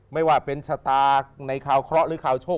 ไม่ว่าเป็นชะตาในข่าวเคราะห์หรือข่าวโชค